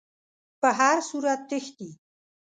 په هر صورت تښتي.